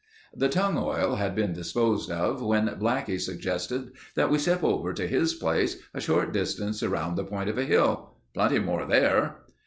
'" The "tongue oil" had been disposed of when Blackie suggested that we step over to his place, a short distance around the point of a hill. "Plenty more there."